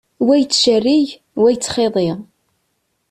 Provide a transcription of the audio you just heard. Wa yettcerrig, wa yettxiḍi.